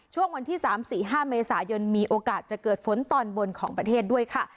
ช่วงวันที่๓๔๕เมษายนมีโอกาสจะเกิดฝนตอนบนของประเทศด้วยค่ะ